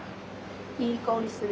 いい香りする。